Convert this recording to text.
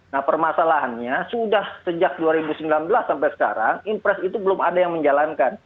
nah permasalahannya sudah sejak dua ribu sembilan belas sampai sekarang impres itu belum ada yang menjalankan